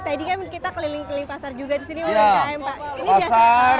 tadi kan kita keliling keliling pasar juga di sini mas ukm pak